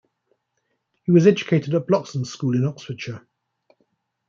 He was educated at Bloxham School in Oxfordshire.